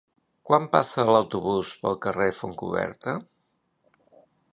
Quan passa l'autobús pel carrer Fontcoberta?